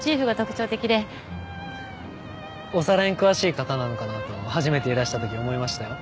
ははっお皿に詳しい方なのかなと初めていらしたとき思いましたよ。